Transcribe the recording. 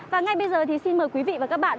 và ngay bây giờ thì xin mời quý vị và các bạn